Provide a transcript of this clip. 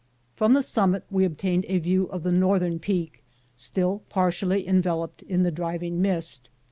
From the summit we obtained a view of the northern peak, still partially enveloped in the driving mist.